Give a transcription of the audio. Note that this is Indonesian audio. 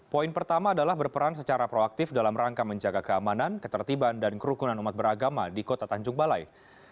poin pertama adalah berperan secara proaktif dalam rangka menjaga keamanan ketertiban dan kerukunan umat beragama di kota tanjung balai